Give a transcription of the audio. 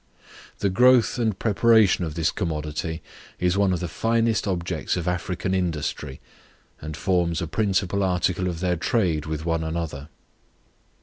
The growth and preparation of this commodity is one of the first objects of African industry, and forms a principal article of their trade with one another.